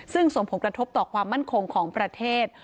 ซึ่งส่งผลกระทบต่อความมั่นคงของประเทศ